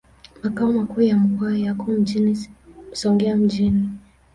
Makao makuu ya mkoa yako Songea mjini.